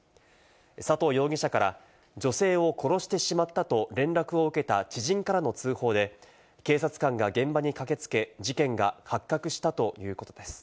佐藤容疑者から女性を殺してしまったと連絡を受けた知人からの通報で、警察官が現場に駆けつけ、事件が発覚したということです。